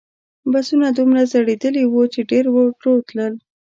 بسونه دومره زړیدلي وو چې ډېر ورو تلل.